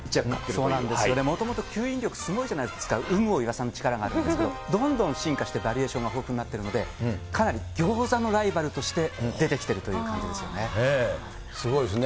そうなんですよね、もともと吸引力すごいじゃないですか、有無を言わさぬ力があるんですけど、どんどん進化して、バリエーションが豊富になってるので、かなりギョーザのライバルとして出てきてるという感じですよね。